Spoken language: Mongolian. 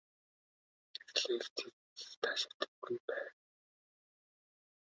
Тэр лекцийг нэг их таашаадаггүй байв.